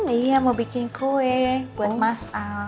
iya mau bikin kue buat masal